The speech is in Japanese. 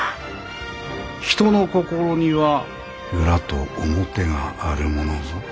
人の心には裏と表があるものぞ。